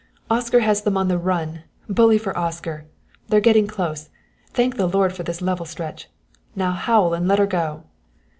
"Oscar has them on the run bully for Oscar! They're getting close thank the Lord for this level stretch now howl and let 'er go!"